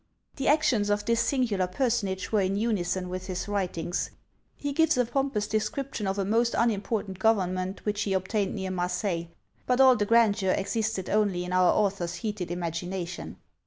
The actions of this singular personage were in unison with his writings: he gives a pompous description of a most unimportant government which he obtained near Marseilles, but all the grandeur existed only in our author's heated imagination.